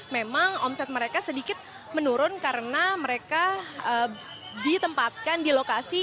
memang omset mereka sedikit menurun karena mereka ditempatkan di lokasi